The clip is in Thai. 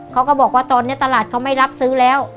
เขาก็บอกว่าตอนนี้ตลาดเขาไม่รับซื้อแล้ว